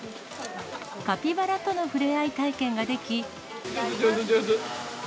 カピバラとの触れ合い体験が上手、上手。